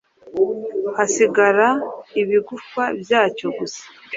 hasigara ibigufa byacyo gusa